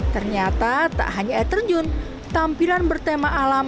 ternyata tak hanya air terjun tampilan bertema alam